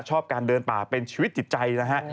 ชอบการเดินป่าเป็นชีวิตจิตใจนะฮะ